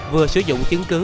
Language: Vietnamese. vừa sử dụng chứng cứ